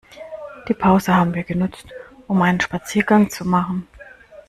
Die Pause haben wir genutzt, um einen Spaziergang zu machen.